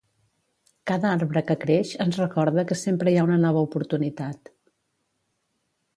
Cada arbre que creix ens recorda que sempre hi ha una nova oportunitat.